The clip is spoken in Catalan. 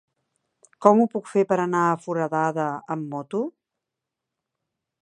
Com ho puc fer per anar a Foradada amb moto?